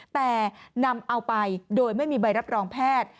แต่นำเอาไปโดยไม่มีใบรับรองแพทย์